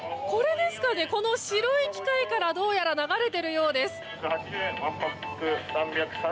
この白い機械からどうやら流れているようです。